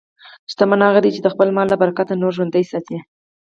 شتمن هغه دی چې د خپل مال له برکته نور ژوندي ساتي.